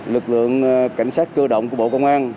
lực lượng cảnh sát cơ động của bộ công an